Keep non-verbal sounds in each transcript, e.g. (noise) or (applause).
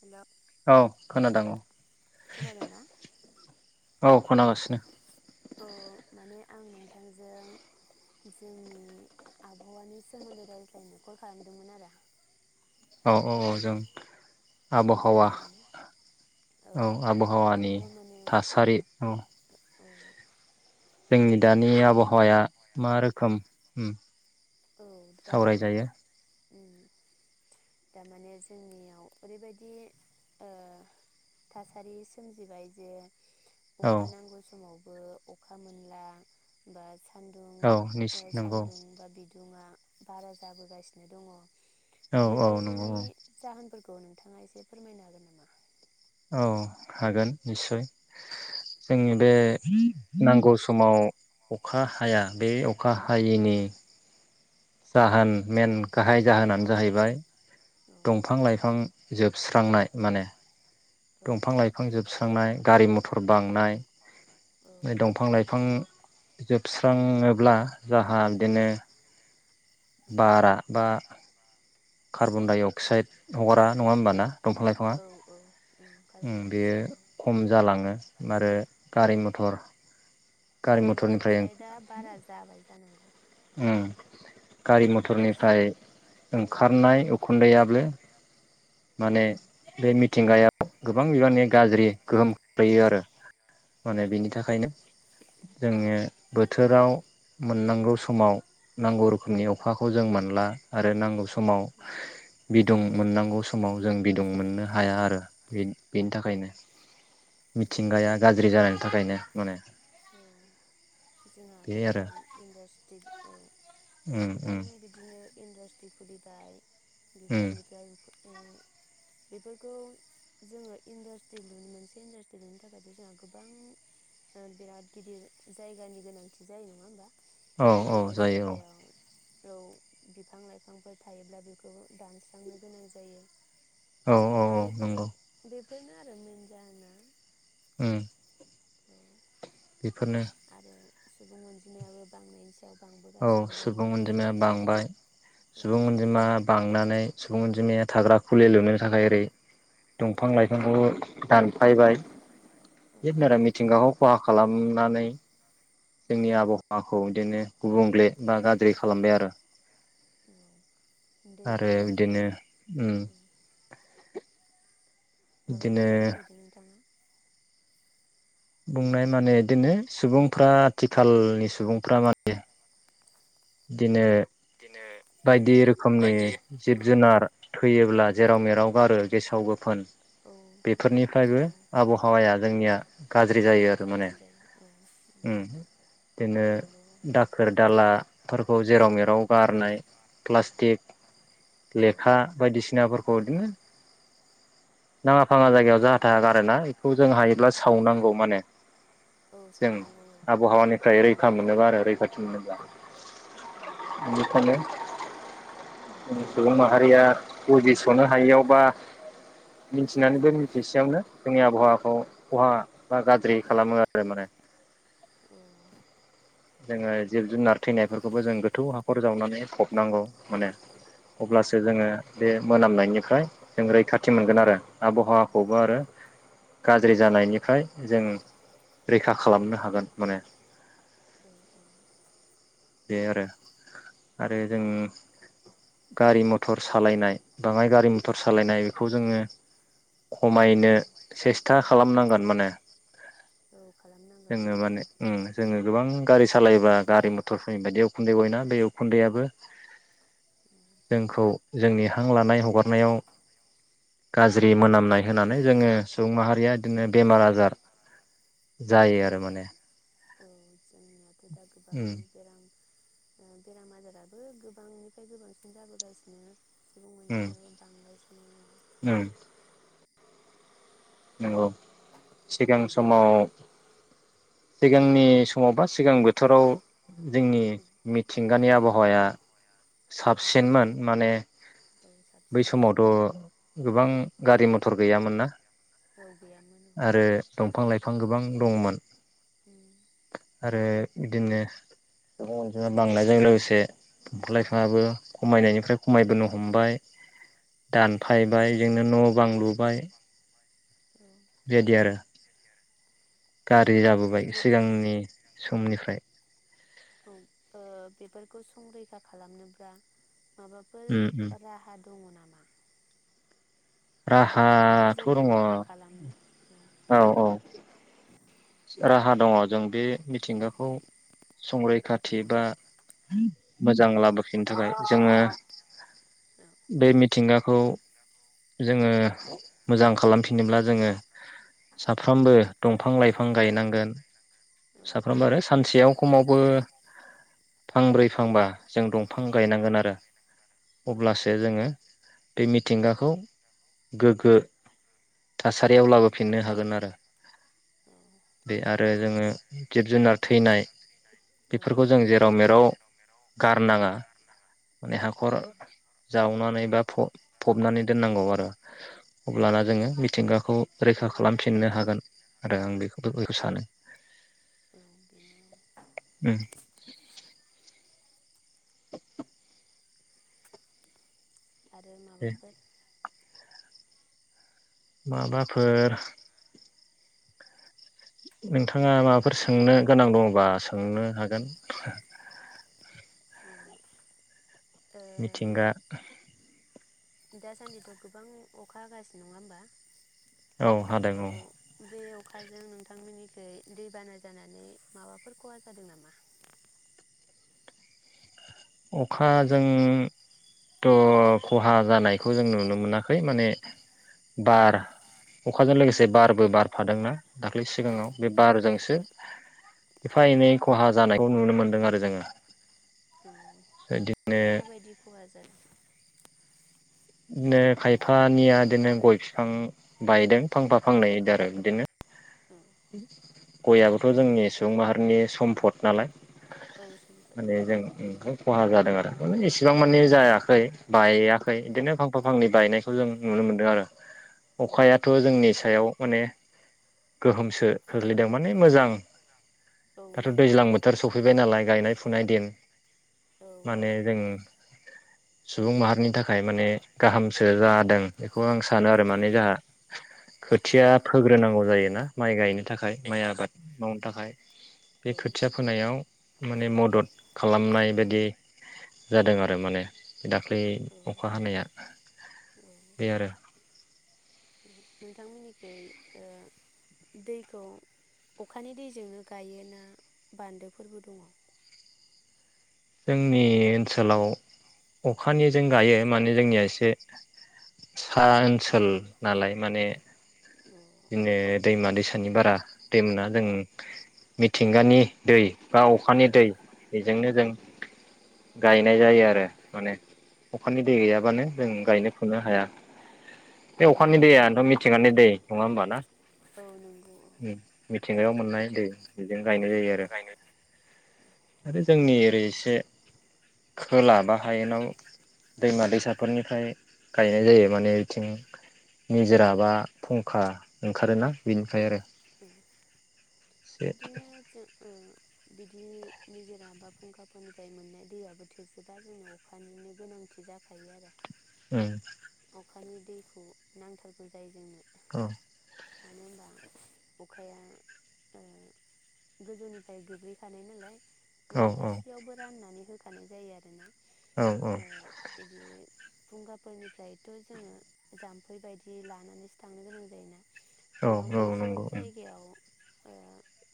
हेल' औ खोनादों औ खोनादोंना? औ खोनागासिनो। अ माने आं नोंथांजों जोंनि आबहावानि सोमोन्दै रायज्लायनो कल खालामदोंमोन आरो। औ औ जों। औ आबहावा रायज्लायजागोन औ आबहावानि आबहावा माने थासारि औ। औ जोंनि माने दानि आबहावाया मा रोखोम ओम। सावराय जायो। दारमाने जोंनियाव ओरैबायदि ओ थासारि सोमजिबाय जे औ अखा नांगौ समाव ओ अखा मोनला बा सान्दुं औ निस ओ नंगौ। सान्दुं बा बिदुङा बारा जाबोगासिनो दङ। औ औ नंगौ बेफोरनि औ जाहोनफोर खौ नोंथाङा एसे फोरमायनो हागोन नामा? औ हागोन निस्सय। औ जोंनि बे नांगौ समाव अखा हाया बे अ अखा हायैनि जाहोन मेन गाहाय जाहोनानो जाहैबाय औ दंफां लाइफां जोबस्रांनाय माने दंफां लाइफां जोबस्रांनाय गारि मथर बांनाय बे दंफां लाइफां जोबस्राङोब्ला जाहा बिदिनो बारा बा कार्बनडाइअक अक्साइड हगारा नङा होमबा ना? दंफां लाइफाङा औ उम कार्बन ओम डाइ बेयो अक्साइड औ खम जालाङो आरो गारि मथर। गारि कार्बन डाइ मथरनिफ्राय अक्साइदआ बारा जाबाय जानांगौ। उम औ गारि अक्सि मथरनिफ्राय औ ओंखारनाय उखुन्दैयाबो माने औ बे मिथिंगाया गोबां बिबाननि गाज्रि गोहोम खोख्लैयो आरो। माने बिनि उम थाखायनो उम जोङो बोथोराव मोननांगौ समाव नांगौ रोखोमनि अखाखौ जों मोनला आरो नांगौ स माव बिदुं मोननांगौ स माव जों बिदुं मोननो हाया आरो। बेनि उम थाखायनो उम मिथिंगाया गाज्रि जानाङो। थाखायनो माने। औ जोंहा बे आरो गोबां इन्डास्ट्रिबो दं उम औ गोबां उम बिदिनो इन्डासट्रि खुलिबाय उम बिफोरनिफ्राय बेफोरखौ जोङो इन्डास्ट्रि लुनो मोनसे इन्डासट्रि लुनो थाखायथ' जोंहा गोबां ओ बिराद गिदिर जायगानि गोनांथि जायो नङा होमबा? औ बे औ जायो औ। जायगायाव औ बिफां लाइफांफोर थायोब्ला बेखौ दानस्रांनो गोनां जायो। औ औ औ बेफोर नंगौ। बेफोरनो आरो मेन जाहोना। ओ (inaudible) बेफोरनो। आरो सुबुं अनजिमाबो बांनायनि सायाव औ बांबोगासिनो दं सुबुं अनजिमाया बांबाय। औ सुबुं अनजिमा बांनानै सुबुं अनजिमाया थाग्रा खुलि लुनो थाखाय ओरै औ दंफां लाइफांखौबो दान फायबाय औ बिदनो आरो मिथिंगाखौ खहा खालाम नानै जोंनि उम आबहावाखौ बिदिनो गुबुंले बा गाज्रि खालामबाय आरो। औ दै आरो बानायाबो बिदिनो उम माबा बुंबावनो बिदिनो नागिरदों नोंथांङा? बुंनाय माने बिदिनो सुबुंफ्रा आथिखालनि सुबुंफ्रा माने बिदिनो बायदि रोखोमनि जिब- जुनार थैयोब्ला जेराव मेराव गारो गेसाव -गोफोन। औ औ बेफोरनिफ्रायबो औ आबहावाया जोंनिया गाज्रि जायो आरो माने गाज्रि जायो औ उम बिदिनो नंगौ दाखोर दालाफोरखौ जेराव मेराव गारनाय प्लास्टिक, लेखा बायदिसिनाफोरखौ इदिनो नाङा फाङा जायगायाव जाहाथा गारोना बेखौ जों हायोब्ला सावनांगौ माने औ जों सावनांगौ आबहावानिफ्राय रैखा मोनोबा आरो रैखाथि मोनोब्ला औ बेनिखायनो सुबुं माहारिया बुजिस'नो हायियाव, बा मिथिनानैबो मिथिसेयावनो जोंनि आबहावाखौ खहा बा गाज्रि खालामो आरो माने जोङो जिब जुनार थैनायफोरखौबो जों गोथौ हाखर जावनानै फबनांगौ माने अब्लासो जोङो बे मोनामनायनिफ्राय जों रैखाथि मोनगोन आरो आबहावाखौबो आरो गाज्रि जानायनिफ्राय जों रैखा खालामनो हागोन माने औ बे आरो आरो जों गारि मथर सालायनाय बाङाय गारि मथर सालायनाय बेखौ जोङो खमायनो सेस्था खालामनांगोन माने औ खालामनांगोन जोङो माने उम जोङो गोबां गारि सालायोबा गारि मथर बायदि उखुन्दै गयोना बे उखुन्दैाबो औ जोंखौ जोंनि हां लानाय हगारनायाव गाज्रि मोनामनाय होनानै जोङो सुबुं माहारिया बिदिनो बेमार आजार जायो आरो माने (inaudible) उम बेराम आजाराबो गोबांनिफ्राय गोबांसिन जाबोगासिनो सुबुं उम अनजिमायाबो (inaudible) उम नंगौ सिगां समाव सिगांनि समाव बा सिगां बोथोराव जोंनि मिथिं गानि आबहावाया औ साबसिनमोन माने औ बै साबसिनमोन समावथ' गोबां गारि मथर गैयामोन ना। औ औ गैयामोन आरो दंफां लाइफां गोबां दंमोन। (inaudible) आरो बिदिनो‌ सुबुं अनजि बांनायजों लोगोसे दंफां लाइफांबो खमायनायनिफ्राय खमायबोनो हमबाय औ दानफायबाय जजोंनो न' बां लुबाय औ बेबायदि आरो गाज्रि जाबोबाय सिगांनि समनिफ्राय औ ओ बेफोरखौ संरैखा खालामनोब्ला माबाफोर उम उम राहा दङ नामा? जुदि राहाथ' जों दङ खम खालामनो औ औ राहा दङ जों बे मिथिंगाखौ संरैखाथि बा मोजां लाबोफिननो थाखाय जोङो बे मि मिथिंगाखौ जोङो मोजां खालामफिनोब्ला जोङो साफ्रोमबो दं फांलाय बिफां गायनांगोन औ साफ्रोमबो आरो सानसेयाव खमावबो फांब्रै फांबा जों दंफां गायनांगोन आरो औ अब्लासो जोङो गायनांगोन बे मि मिथिंगाखौ गोगो औ थासारियाव औ लाबोफिननो हागोन आरो औ बे आरो जोङो जिब -जुनार थैनाय औ बेफोरखौ जों जेराव मेराव गारनाङा माने हाखर जावनानै बा फब फबनानै दोननांगौ आरो औ अब्लाना जोङो मिथिंगाखौ रैखा खालाम खालामफिननो हागोन आरो आं बेखौ बयखौ सानो (unintelligible) ओं आरो दे माबाफोर माबाफोर नोंथाङा माबाफोर सोंनो गोनां दङबा सोंनो हागोन ओ मिथिंगा दासान्दिथ' गोबां अखा हागासिनो नङा होमबा औ हादों औ बे अखाजों नोंथांमोननिखै दैबाना जानानै माबाफोर खहा जादों नामा अखाजों थ' खहा जानायखौ जों नुनो मोनाखै माने बार अखाजों लोगोसे बारबो बारफादोंना दाख्लै औ सिगाङाव बे बारजोंसो एफा एनै खहा जानायखौ नुनो मोनदों आरो जोङो बेदि माबायदि खहा जा जादों बिदिनो खायफानिया बिदिनो गय बिफां बायदों फांफा फांनै बिदि आरो बिदिनो गयआबोथ' जोंनि सुबुं माहारिनि सम्फद नालाय औ सम्पद औ माने जों नंगौ खहा जादों आरो माने इसिबां मानि जायाखै बायआखै बिदिनो फांफा फांनै बायनायखौ जों नुनो मोन्दों आरो औ अखायाथ' जोंनि सायाव माने गोहोमसो खोख्लैदों माने मोजां औ दाथ' मोजां दैज्लां बोथोर सफैबाय नालाय गायनाय फुनाय दिन औ औ माने जों सुबुं माहारिनि थाखाय माने गाहामसो जादों बेखौ आं सानो आरो माने जाहा खोथिया फोग्रोनांगौ जायोना माइ गायनो थाखाय बेनि माइ थाखाय आबाद मावनो थाखाय बे खोथिया फोनायाव माने मदद खालामनाय बायदि जादों आरो माने दाख्लै अखा हानाया बे आरो नोंथांमोननिखै ओ दैखौ अखानि दैजोंनो गायो ना बान्दोफोरबो दङ' जोंनि ओनसोलाव अखानि जों गायो माने जोंनिया एसे सा ओनसोल नालाय माने बिदिनो दैमा दैसानि बारा दैमोना जों मिथिंगानि दै बा अखानि दै बेजोंनो औ जों गायनाय जायो आरो माने अखानि दै औ गैयाबानो जों गायनो फुननो हाया बे औ अखानि दैआनथ' मिथिंगानि दै नङा होमबा ना औ नंगौ औ उम मिथिंगायाव मोननाय मिथि दै बेजों गायनाय जायो आरो गायनाय आरो जोंनि ओरै एसे खोला बा हायेनाव दैमा- दैसाफोरनिफ्राय गायनाय जायो माने बिथिं निजोरा बा फुंखा ओंखारोना बेनिफ्राय आरो उम एसे बिदिनो जो ओ बिदि नि निजोरा बा फुंखाफोरनिफ्राय मोननाय दैयाबो थोजोबा जोंनो अखानिनो गोनांथि जाखायो आरो उम अखानि दैखौ नांथारगौ जायो जोंनो औ मानो होनबा अखाया ओ गोजौनिफ्राय गोग्लैखानाय नालाय औ माने गासैयावबो राननानै होख खानाय जायो आरो ना औ- औ थुंगाफोरनि फ्रायथ' जोङो जाम्फै बायदि लानानैसो थांनो गोनां जायोना औ बेयाव औ मोनसेल' नंगौ उम जायगायाव अ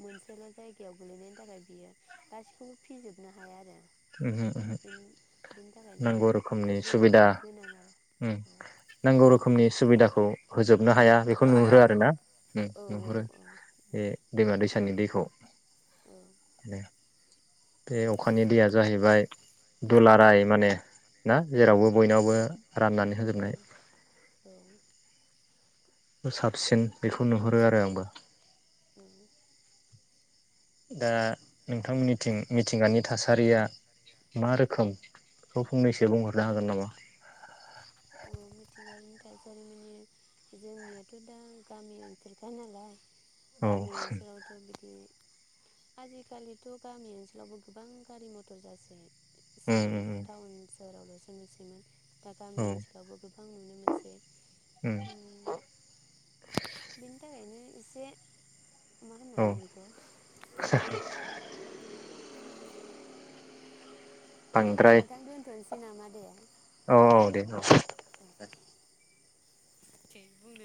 मोनसेल' जायगायाव गोलैनायनि थाखाय बियो गासिखौबो फिजोबनो हाया आरो उमहो उमहो बेन बेनि थाखायनो नांगौ रोखोमनि अखानि दैया सुबिदा बिराद गोनां ओ उम नांगौ रोखोमनि सुबिदाखौ फोजोबनो हाया बेखौ नुहुरो आरो ना उम औ नुहुरो औ बे दैमा- दैसा (unintelligible) नि दैखौ दे बे अखानि दैया जाहैबाय दुलाराय माने ना जेरावबो बयनावबो राननानै औ होजोबनाय साबसिन बेखौ नुहुरो आरो आंबो औ दा नोंथांमोननिथिं मिथिंगानि थासारिया मा रोखोम बेखौ फंनैसो बुंहरनो हागोन नामा उम मिथिगायारिनि थासारि माने जोंनियाथ' दा गामि ओनसोलखा नालाय औ गामि ओनसोलावथ' बिदि आजिखालिथ गामि ओनसोलावबो गोबां गारि मथर जासै उम उम सिगाङावथ' टाउन (unintelligible) दा‌ उम औ गामिओनसो गोबां नुनो मोनसै उम बेनि थाखायनो एसे मा होननांगोन बेखौ औ (unintelligible) औ बांद्राय नोंथां दोनथ'नोसै फै नामा दे औ औ दे औ बुंनो